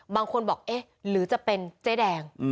บางคนบอกเอ๊ะหรือจะเป็นเจ๊แดง